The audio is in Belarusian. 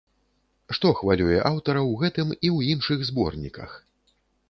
Што хвалюе аўтара ў гэтым і ў іншых зборніках?